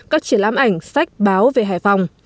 các triển lãm ảnh sách báo về hải phòng